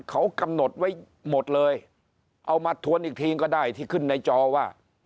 เขากำหนดไว้หมดเลยเอามาทวนอีกทีก็ได้ที่ขึ้นในจอว่า